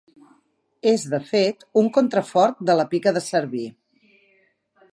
És, de fet, un contrafort de la Pica de Cerví.